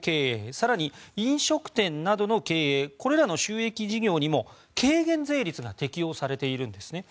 更に、飲食店などの経営これらの収益事業にも軽減税率が適用されているんですね。